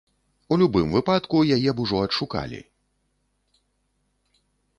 У любым выпадку, яе б ужо адшукалі.